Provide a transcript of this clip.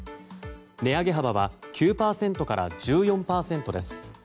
値上げ幅は９％から１４％です。